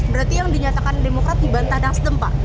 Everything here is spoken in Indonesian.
berarti yang dinyatakan demokrat dibantah nasdem pak